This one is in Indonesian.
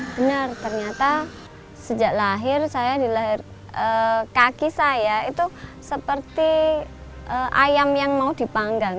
benar ternyata sejak lahir saya di lahir kaki saya itu seperti ayam yang mau dipanggang